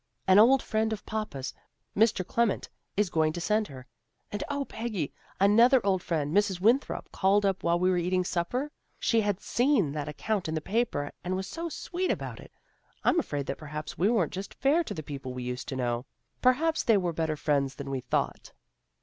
" An old friend of papa's, Mr. Clement, is going to send her. And, 0, Peggy, another old friend, Mrs. Winthrop, called up while we were eating supper. She had seen that account in the paper and was so sweet about it. I'm afraid that perhaps we weren't just fair to the people we used to know. Perhaps they were better friends than we thought."